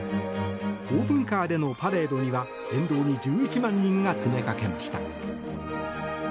オープンカーでのパレードには沿道に１１万人が詰めかけました。